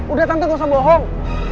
udah tentu gak usah bohong